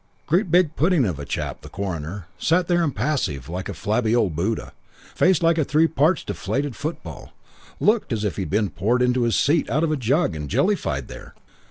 Great big pudding of a chap, the coroner. Sat there impassive like a flabby old Buddha. Face like a three parts deflated football. Looked as if he'd been poured on to his seat out of a jug and jellified there.